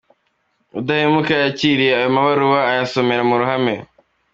Udahemuka yakiriye ayo mabaruwa ayasomera mu ruhame.